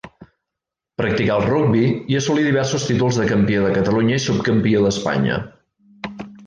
Practicà el rugbi i assolí diversos títols de campió de Catalunya i subcampió d'Espanya.